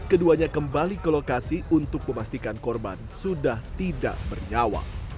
keduanya kembali ke lokasi untuk memastikan korban sudah tidak bernyawa